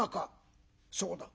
「そうだ。